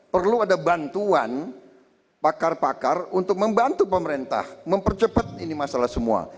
perlu ada bantuan pakar pakar untuk membantu pemerintah mempercepat ini masalah semua